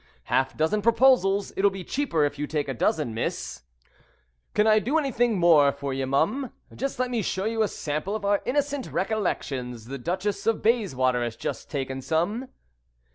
Half dozen proposals; it'll be cheaper if you take a dozen, miss. Can I do anything more for you, mum? Just let me show you a sample of our innocent recollections. The Duchess of Bayswater has just taken some.